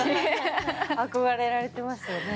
憧れられてますよね。